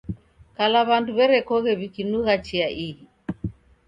Kala w'andu w'erekoghe w'ikinugha chia ihi